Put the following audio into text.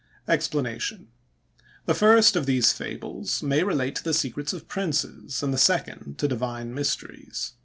EXPLANATION.—The first of these fables may relate to the secrets of princes, and the second to divine mysteries.